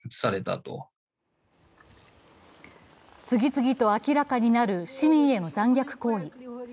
次々と明らかになる市民への残虐行為。